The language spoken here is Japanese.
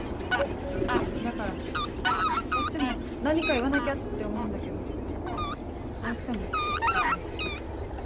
だからこっちも何か言わなきゃって思うんだけどどうしてもできなくて。